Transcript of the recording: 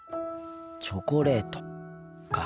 チョコレートか。